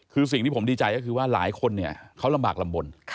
คือสิ่งที่ผมดีใจก็คือว่าหลายคนเนี่ยเขาลำบากลำบล